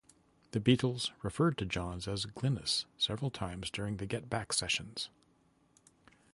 The Beatles referred to Johns as "Glynnis" several times during the "Get Back" sessions.